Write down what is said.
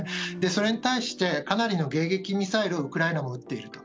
それに対してかなりの迎撃ミサイルをウクライナも撃っていると。